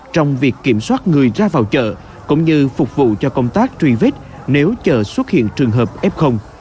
trong việc kiểm soát người ra vào chợ cũng như phục vụ cho công tác truy vết nếu chợ xuất hiện trường hợp f